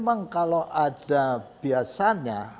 nah memang kalau ada biasanya itu seperti jaman dulu itu